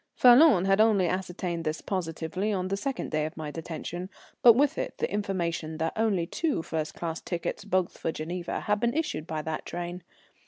Falloon had only ascertained this positively on the second day of my detention, but with it the information that only two first class tickets, both for Geneva, had been issued by that train.